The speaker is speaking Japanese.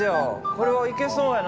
これはいけそうやな。